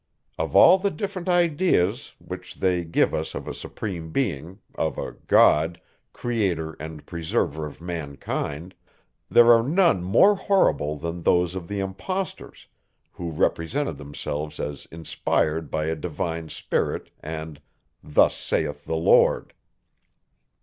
Of all the different ideas, which they give us of a supreme being, of a God, creator and preserver of mankind, there are none more horrible, than those of the impostors, who represented themselves as inspired by a divine spirit, and "Thus saith the Lord."